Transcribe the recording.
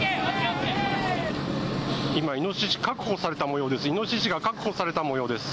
今イノシシ確保されたもようです。